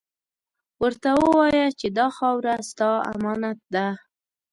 ورته ووایه چې دا خاوره ، ستا امانت ده.